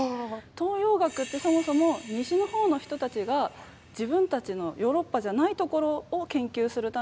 東洋学ってそもそも西のほうの人たちが自分たちのヨーロッパじゃないところを研究するためにつくった学問というか。